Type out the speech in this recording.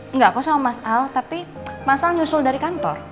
enggak aku sama mas al tapi mas al nyusul dari kantor